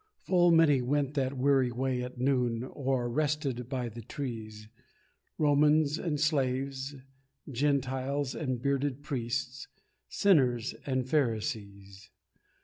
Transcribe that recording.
Full many went that weary way at noon, Or rested by the trees, Romans and slaves, Gentiles and bearded priests, Sinners and Pharisees.